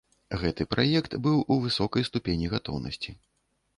Гэты праект быў у высокай ступені гатоўнасці.